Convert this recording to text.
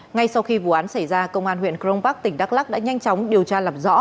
ngay sau khi vụ án xảy ra công an huyện crong park tỉnh đắk lắc đã nhanh chóng điều tra làm rõ